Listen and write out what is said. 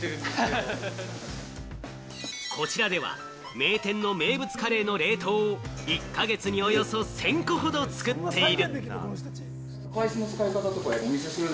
こちらでは名店の名物カレーの冷凍を１か月におよそ１０００個ほど作っている。